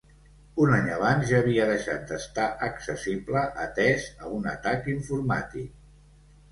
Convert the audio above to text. Un any abans ja havia deixat d'estar accessible atés a un atac informàtic.